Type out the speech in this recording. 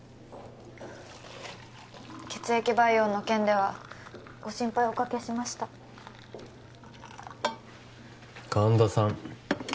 血液培養の件ではご心配をおかけしました神田さん